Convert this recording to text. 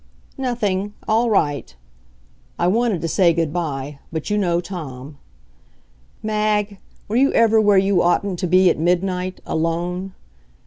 "Nothing all right." I wanted to say good by but you know Tom. Mag, were you ever where you oughtn't to be at midnight alone?